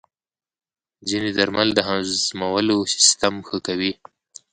ځینې درمل د هضمولو سیستم ښه کوي.